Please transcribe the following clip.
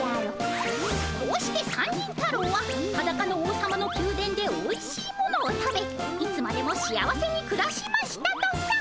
こうして三人太郎はハダカの王様の宮殿でおいしいものを食べいつまでも幸せにくらしましたとさ。